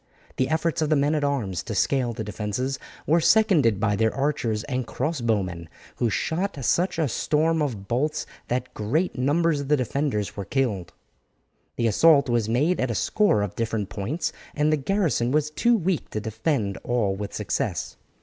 The efforts of the men at arms to scale the defences were seconded by their archers and crossbow men, who shot such a storm of bolts that great numbers of the defenders were killed. The assault was made at a score of different points, and the garrison was too weak to defend all with success.